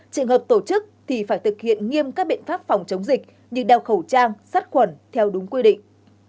trường hợp tổ chức thì phải thực hiện nghiêm các biện pháp phòng chống dịch như đeo khẩu trang sắt khuẩn theo đúng quy định